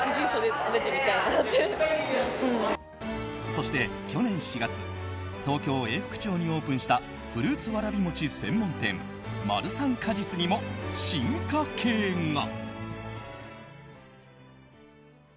そして、去年４月東京・永福町にオープンしたフルーツわらび餅専門店まるさんかじつにも進化系が。